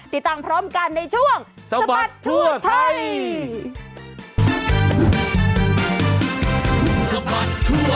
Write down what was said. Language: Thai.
ติดตามพร้อมกันในช่วงสบัดทั่วไทย